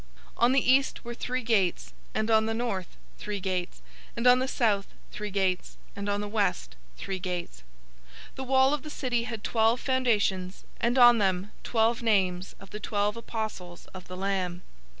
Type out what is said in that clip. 021:013 On the east were three gates; and on the north three gates; and on the south three gates; and on the west three gates. 021:014 The wall of the city had twelve foundations, and on them twelve names of the twelve Apostles of the Lamb.